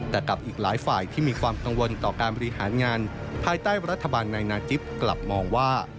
แต่กับอีกหลายฝ่ายที่มีความกังวลต่อการบริหารงานภายใต้รัฐบาลนายนาจิปกลับมองว่า